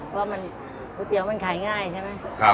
เพราะก๋วยเตี๋ยวมันขายง่ายใช่ไหม